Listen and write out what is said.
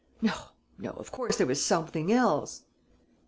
No, no, of course there was something else...."